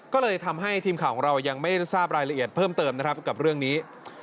ก็เลยทำให้ทีมข่าวของเรายังไม่ทราบรายละเอียดเพิ่มเติมนะครับกับเรื่องนี้